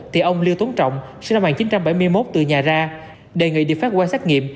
thì ông lưu tuấn trọng sẽ trong hàng chín trăm bảy mươi một từ nhà ra đề nghị đi phát qua xét nghiệm